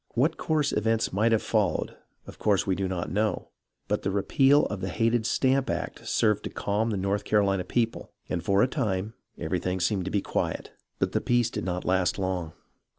What course events might have followed, of course we do not know, but the repeal of the hated Stamp Act served to calm the North Carolina people, and for a time everything seemed to be quiet. But the peace did not last long.